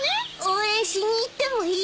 応援しに行ってもいい？